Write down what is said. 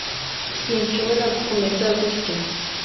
sinshobora gukomeza gutya.